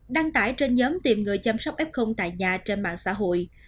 đăng tải trên nhóm tìm người chăm sóc f tại nhà trên mạng xã hội